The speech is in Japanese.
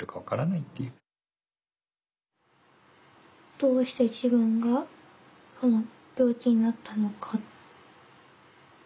どうして自分が病気になったのか。